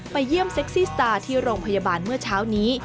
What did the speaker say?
เยี่ยมเซ็กซี่สตาร์ที่โรงพยาบาลเมื่อเช้านี้